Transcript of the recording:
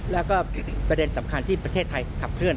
แล้วก็ประเด็นสำคัญที่ประเทศไทยขับเคลื